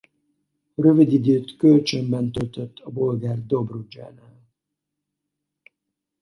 Rövid időt kölcsönben töltött a bolgár Dobrudzsánál.